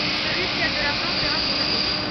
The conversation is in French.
Celui qui a de l'argent paiera pour les autres.